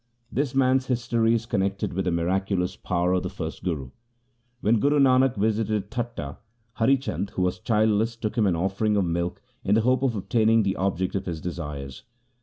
This man's history is connected with the miracu lous power of the first Guru. When Guru Nanak visited Thatha, Hari Chand who was childless took him an offering of milk in the hope of obtaining the object of his desires.